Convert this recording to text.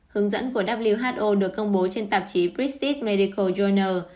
hướng dẫn của who được công bố trên tạp chí prestige medical journal